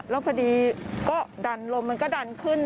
แล้วพอดีก็ดันลมมันก็ดันขึ้น